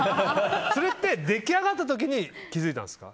それって出来上がった時に気づいたんですか？